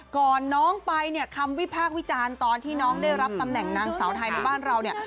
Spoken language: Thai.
ก่อนน้องไปเนี่ยคำวิพากษ์วิจารณ์ตอนที่น้องได้รับตำแหน่งนางสาวไทยในบ้านเราเนี่ย